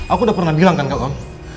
aku udah pernah bilang kan kak om